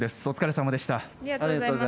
お疲れさまでした。